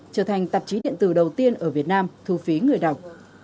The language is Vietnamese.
trở thành tạp chí điện tử đầu tiên ở việt nam thu phí người đọc